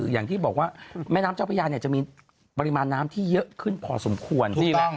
อย่างที่บอกว่าแม่น้ำเจ้าพระยาเนี่ยจะมีปริมาณน้ำที่เยอะขึ้นพอสมควร